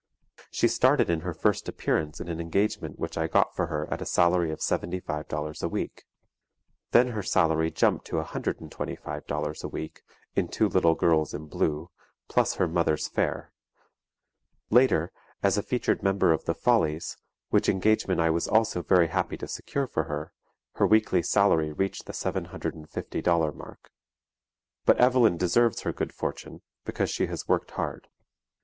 She started in her first appearance in an engagement which I got for her at a salary of $75.00 a week. Then her salary jumped to $125.00 a week, in "Two Little Girls in Blue," plus her mother's fare; later, as a featured member of the "Follies," which engagement I was also very happy to secure for her, her weekly salary reached the $750.00 mark. But Evelyn deserves her good fortune, because she has worked hard.